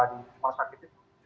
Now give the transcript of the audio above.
di masyarakat itu